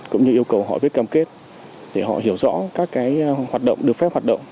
cũng như yêu cầu họ viết cam kết để họ hiểu rõ các hoạt động được phép hoạt động